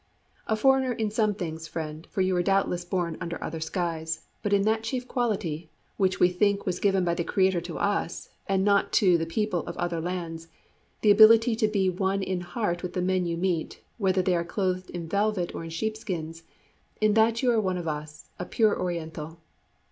"A foreigner in some things, friend, for you were doubtless born under other skies; but in that chief quality, which we think was given by the Creator to us and not to the people of other lands the ability to be one in heart with the men you meet, whether they are clothed in velvet or in sheep skins in that you are one of us, a pure Oriental."